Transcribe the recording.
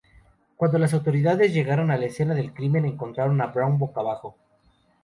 Cuando las autoridades llegaron a la escena del crimen, encontraron a Brown boca abajo.